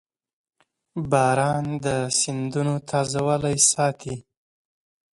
• باران د سیندونو تازهوالی ساتي.